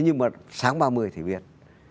nhưng mà sáng ba mươi thì biết